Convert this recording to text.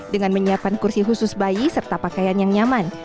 dengan menyiapkan kursi khusus bayi serta pakaian yang nyaman